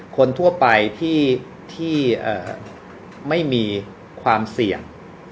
คนทั่วไปที่ไม่มีความเสี่ยง